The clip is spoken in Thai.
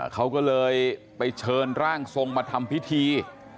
เขาก็เลยไปเชิญร่างทรงมาทำพิธี